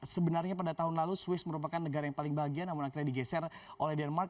sebenarnya pada tahun lalu swiss merupakan negara yang paling bahagia namun akhirnya digeser oleh denmark